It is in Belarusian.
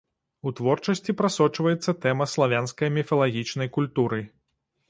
У творчасці прасочваецца тэма славянскай міфалагічнай культуры.